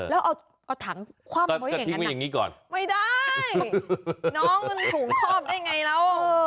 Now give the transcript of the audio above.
แล้วเอาถังคว่ำไว้อย่างนี้ก่อนไม่ได้น้องมันถุงคอบได้ไงแล้ว